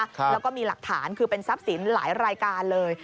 แล้วก็มีหลักฐานคือเป็นทรัพย์สินหลายรายการเลย